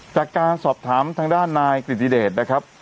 จากการสอบถามทางด้านนายกฤติเดชนะครับ